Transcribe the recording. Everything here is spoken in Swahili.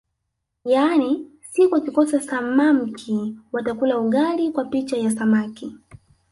Yaani siku wakikosa samamki watakula ugali kwa picha ya samaki